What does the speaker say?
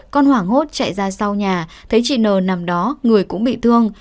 con hoảng hốt chạy ra sau nhà thấy chị nờ nằm đó người cũng bị thương